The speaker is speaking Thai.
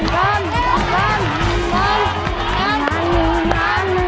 ๑ล้าน๑ล้าน๑ล้าน